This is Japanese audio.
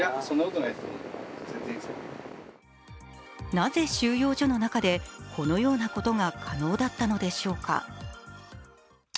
なぜ収容所の中で、このようなことが可能だったのでしょうか。